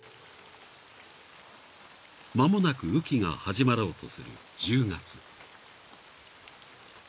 ［間もなく雨期が始まろうとする１０月］